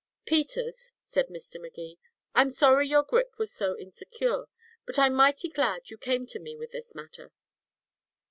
"Peters," said Mr. Magee, "I'm sorry your grip was so insecure, but I'm mighty glad you came to me with this matter."